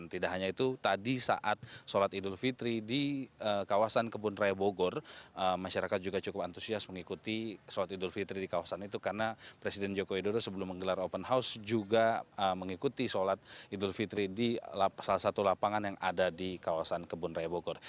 tidak hanya itu tadi saat sholat idul fitri di kawasan kebun raya bogor masyarakat juga cukup antusias mengikuti sholat idul fitri di kawasan itu karena presiden joko widodo sebelum menggelar open house juga mengikuti sholat idul fitri di salah satu lapangan yang ada di kawasan kebun raya bogor